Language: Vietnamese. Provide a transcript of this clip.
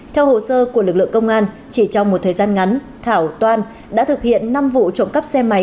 theo hồ sơ của lực lượng công an chỉ trong một thời gian ngắn thảo toan đã thực hiện năm vụ trộm cắp xe máy